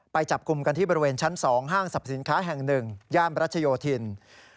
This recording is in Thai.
ไปจับกลุ่มกันที่บริเวณชั้น๒ห้างสรรพสินค้าแห่ง๑ย่านรัชโยธิน